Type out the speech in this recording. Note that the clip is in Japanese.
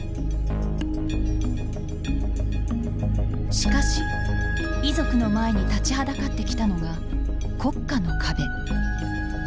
しかし遺族の前に立ちはだかってきたのが国家の壁。